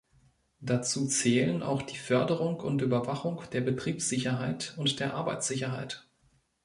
Dazu zählen auch die Förderung und Überwachung der Betriebssicherheit und der Arbeitssicherheit.